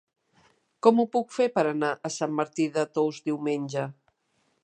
Com ho puc fer per anar a Sant Martí de Tous diumenge?